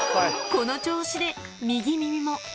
この調子で、右耳も。